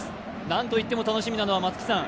何といっても楽しみなのは松木さん